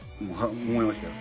思いましたよ。